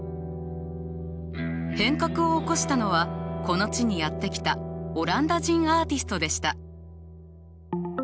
変革を起こしたのはこの地にやって来たオランダ人アーティストでした。